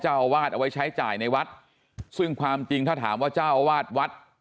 เจ้าวาดเอาไว้ใช้จ่ายในวัดซึ่งความจริงถ้าถามว่าเจ้าวาด